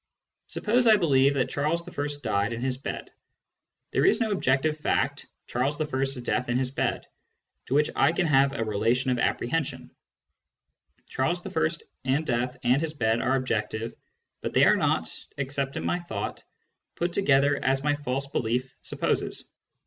Suppose I believe that Charles L died in his bed. There is no objective fact " Charles I.'s death in his bed " to which I can have a relation of appre hension. Charles I. and death and his bed are objective, but they are not, except in my thought, put together as my false belief supposes.